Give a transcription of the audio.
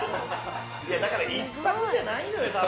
だから一泊じゃないのよ多分。